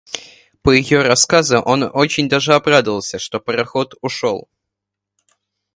По ее рассказу, он очень даже обрадовался, что пароход ушел.